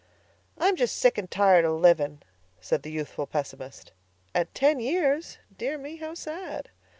"I'm just sick and tired of living," said the youthful pessimist. "At ten years? Dear me, how sad!"